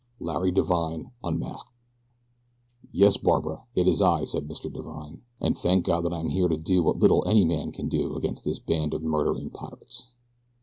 LARRY DIVINE UNMASKED "YES, Barbara, it is I," said Mr. Divine; "and thank God that I am here to do what little any man may do against this band of murdering pirates."